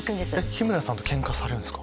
日村さんとケンカされるんですか？